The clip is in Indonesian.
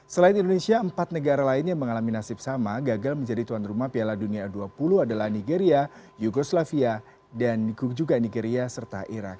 selain indonesia empat negara lain yang mengalami nasib sama gagal menjadi tuan rumah piala dunia u dua puluh adalah nigeria yugoslavia dan juga nigeria serta irak